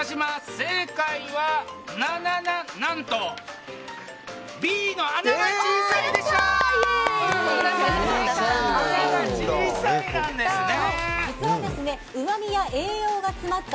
正解は何とＢの穴が小さいでした！